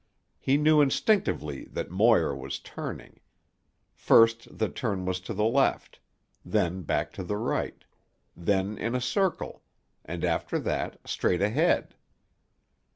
He knew instinctively that Moir was turning. First the turn was to the left. Then back to the right. Then in a circle, and after that straight ahead.